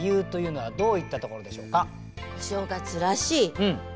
はい。